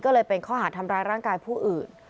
ก็เลยเป็นข้อหาดทำร้ายร่างกายผู้อื่น